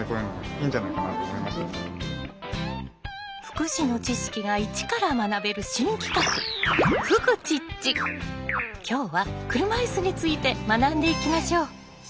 福祉の知識が一から学べる新企画今日は車いすについて学んでいきましょう！